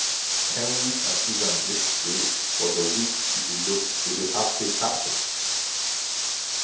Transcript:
Kenwigs and Susan, yesterday was a week she eloped with a half pay captain!